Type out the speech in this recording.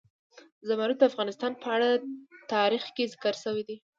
زمرد د افغانستان په اوږده تاریخ کې ذکر شوی دی.